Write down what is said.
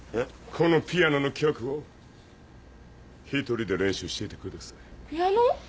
このピアノの曲を一人で練習してください。